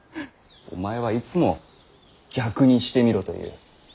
お前はいつも逆にしてみろと言う。